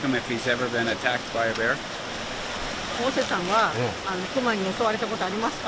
「大瀬さんは熊に襲われたことありますか？」